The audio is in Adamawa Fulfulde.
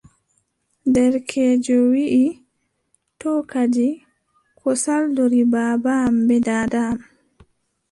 Derkeejo wiʼi: to kadi, ko saldori baaba am bee daada am,